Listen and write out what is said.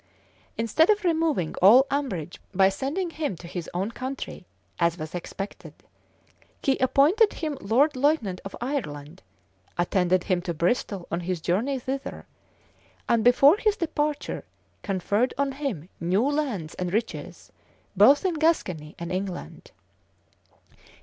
Instead of removing all umbrage by sending him to his own country, as was expected, he appointed him lord lieutenant of Ireland[], attended him to Bristol on his journey thither, and before his departure conferred on him new lands and riches both in Gascony and England.